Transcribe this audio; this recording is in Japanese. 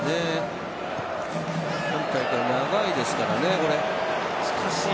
今大会、長いですからね。